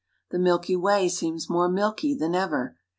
The Milky Way seems more milky than ever.